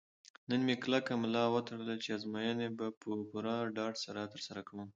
نن مې کلکه ملا وتړله چې ازموینې به په پوره ډاډ سره ترسره کوم.